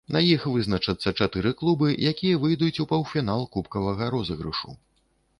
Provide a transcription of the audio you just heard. На іх вызначацца чатыры клубы, якія выйдуць у паўфінал кубкавага розыгрышу.